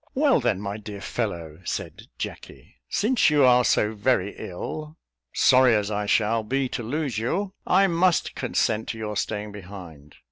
"Well then, my dear fellow," said Jacky, "since you are so very ill sorry as I shall be to lose you I must consent to your staying behind.